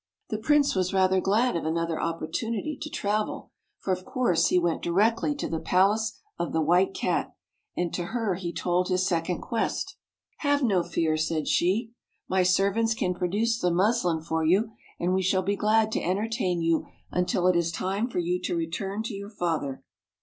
The Prince was rather glad of another opportunity to travel, for of course he went directly to the palace of the White Cat ; and to her he told his second quest. " Have no fear," said she. " My servants can produce the muslin for you, and we shall be glad to entertain you until it is time for you to return to your father."